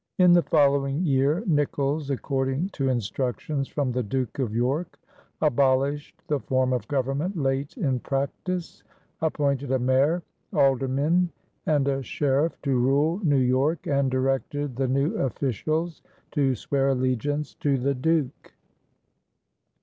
In the following year Nicolls, according to instructions from the Duke of York, abolished "the form of government late in practice," appointed a mayor, aldermen, and a sheriff to rule New York, and directed the new officials to swear allegiance to the Duke.